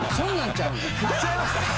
ちゃいました？